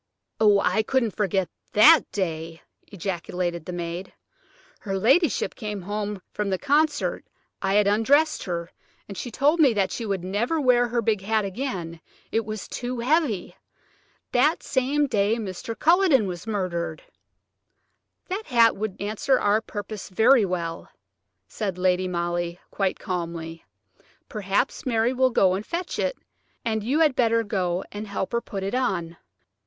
"Oh! I couldn't forget that day," ejaculated the maid; "her ladyship came home from the concert–I had undressed her, and she told me that she would never wear her big hat again–it was too heavy. That same day Mr. Culledon was murdered." "That hat would answer our purpose very well," said Lady Molly, quite calmly. "Perhaps Mary will go and fetch it, and you had better go and help her put it on."